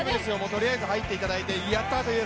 とりあえず入っていだたいて、やったー！という。